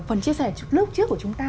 phần chia sẻ lúc trước của chúng ta